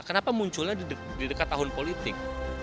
kenapa munculnya di dekat tahun politik